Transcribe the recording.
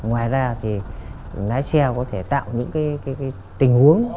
ngoài ra thì lái xe có thể tạo những tình huống